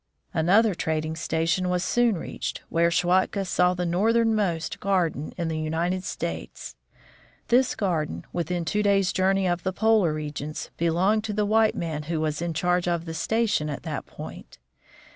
Another trading station was soon reached, where Schwatka saw the northernmost garden in the United States. This garden, within two days' journey of the polar regions, belonged to the white man who was in charge of the station at that point.